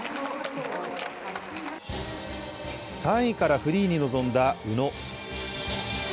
３位からフリーに臨んだ宇野。